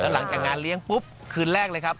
หลังจากงานเลี้ยงปุ๊บคืนแรกเลยครับ